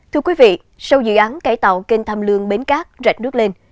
thưa quý vị sau dự án cải tạo kênh tham lương bến cát rạch nước lên